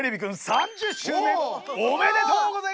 ３０周年おめでとうございます！